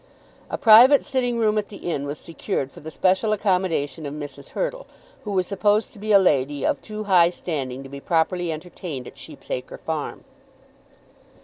A private sitting room at the inn was secured for the special accommodation of Mrs. Hurtle, who was supposed to be a lady of too high standing to be properly entertained at Sheep's Acre Farm.